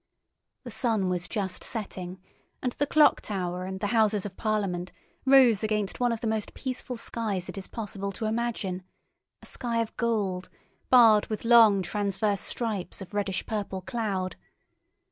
The sun was just setting, and the Clock Tower and the Houses of Parliament rose against one of the most peaceful skies it is possible to imagine, a sky of gold, barred with long transverse stripes of reddish purple cloud.